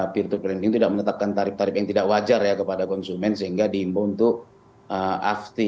virtual planning tidak menetapkan tarif tarif yang tidak wajar ya kepada konsumen sehingga dihimbau untuk afpi